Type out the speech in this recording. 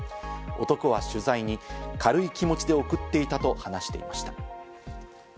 男は取材に軽い気持ちで送っていたと話していました。